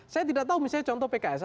saya tidak tahu misalnya contoh pks